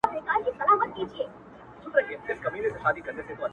چي هر ځای به یو قاتل وو دی یې یار وو!.